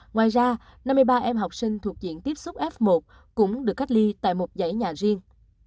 ngoài ra năm mươi ba em học sinh thuộc diện tiếp xúc f một cũng được cách ly tại một giải nhà riêng